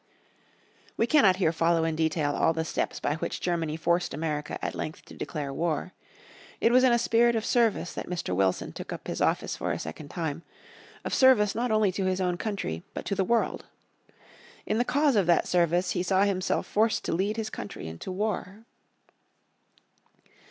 We cannot here follow in detail all the steps by which Germany forced America at length to declare war. It was in a spirit of service that Mr. Wilson took up his office for a second time, of service not only to his own country but to the world. In the cause of that service he saw himself forced to lead his country into war.